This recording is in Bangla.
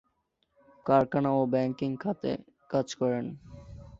কারখানা ও ব্যাংকিং খাতে কাজ করেন।